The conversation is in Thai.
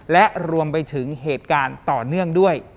และรวมไปถึงเหตุการณ์ต่อเนื่องด้วย